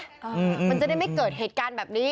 มันจะได้ไม่เกิดเหตุการณ์แบบนี้